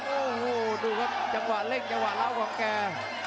โอ้โหดูครับจังหวะเร่งจังหวะเล่าของแก